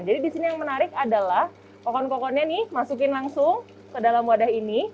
jadi di sini yang menarik adalah kokon kokonnya nih masukin langsung ke dalam wadah ini